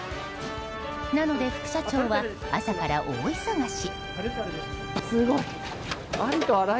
なので、副社長は朝から大忙し。